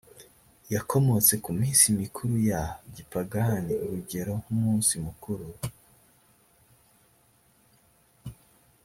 yakomotse ku minsi mikuru ya gipagani urugero nk umunsi mukuru